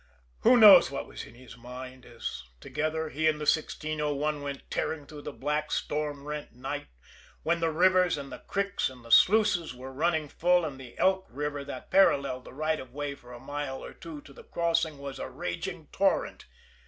Who knows what was in his mind, as, together, he and the 1601 went tearing through that black, storm rent night, when the rivers, and the creeks, and the sluices were running full, and the Elk River, that paralleled the right of way for a mile or two to the crossing, was a raging torrent?